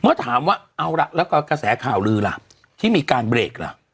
เมื่อถามว่าเอาล่ะแล้วก็กระแสข่าวลือล่ะที่มีการเบรกล่ะ